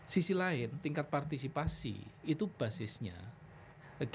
sisi lain tingkat partisipasi itu basisnya